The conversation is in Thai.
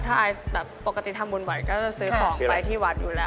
ถ้าไอซ์แบบปกติทำบุญไหวก็จะซื้อของไปที่วัดอยู่แล้ว